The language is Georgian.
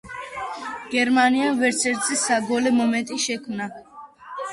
გერმანიამ ვერცერთი საგოლე მომენტი ვერ შექმნა.